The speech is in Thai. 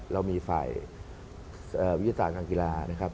เรามีฝ่ายวิทยาศาสตร์การกีฬานะครับ